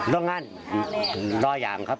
ร่วงงั้นรออย่างครับ